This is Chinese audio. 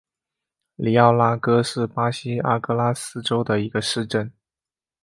里奥拉戈是巴西阿拉戈斯州的一个市镇。